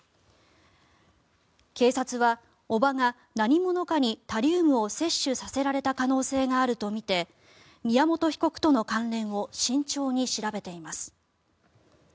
警察は叔母が何者かにタリウムを摂取させられた可能性があるとみて宮本被告との関連を慎重に調べています。